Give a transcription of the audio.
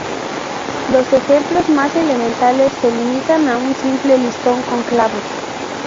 Los ejemplos más elementales se limitan a un simple listón con clavos.